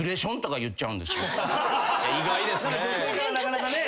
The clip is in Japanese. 意外ですね。